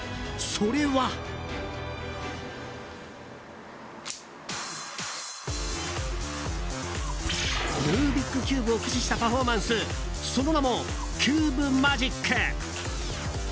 それはルービックキューブを駆使したパフォーマンスその名もキューブマジック。